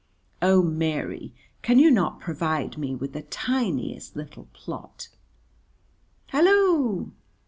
Oh, Mary, can you not provide me with the tiniest little plot? Hallo!